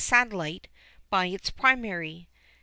_ satellite) by its primary.